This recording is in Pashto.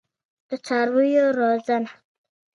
اول یې خپلو کوچنیو سپیانو ته ورکړه.